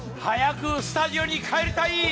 早くスタジオに帰りたい！